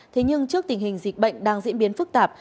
thế nhưng trước tình hình dịch bệnh đang diễn biến phức tạp